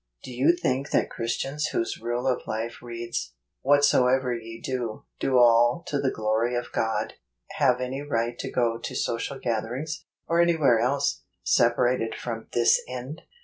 12. Do you think that Christians whose rule of life reads u Whatsoever ye do, do all to the glory of God," have any right to go to social gatherings, or anywhere else, sepa¬ rated from this end